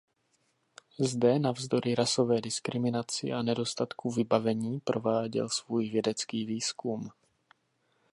Zde navzdory rasové diskriminaci a nedostatku vybavení prováděl svůj vědecký výzkum.